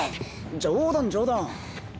冗談冗談。